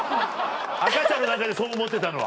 赤ちゃんの段階でそう思ってたのは。